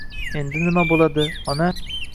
— Endi nima bo'ladi, ona?